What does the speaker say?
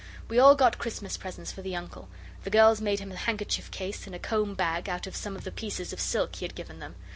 We all got Christmas presents for the Uncle. The girls made him a handkerchief case and a comb bag, out of some of the pieces of silk he had given them.